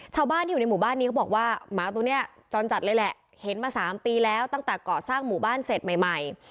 ชาวบ้านที่อยู่ในหมู่บ้านนี้เขาบอกว่าหมาตัวนี้จรจัดเลยแหละเห็นมา๓ปีแล้วตั้งแต่เกาะสร้างหมู่บ้านเสร็จใหม่ใหม่